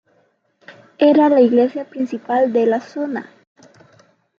Era la iglesia principal de la zona.